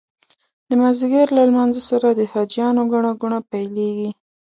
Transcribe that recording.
د مازدیګر له لمانځه سره د حاجیانو ګڼه ګوڼه پیلېږي.